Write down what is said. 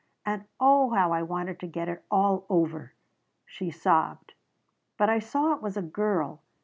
And oh how I wanted to get it all over!" She sobbed. "But I saw it was a girl.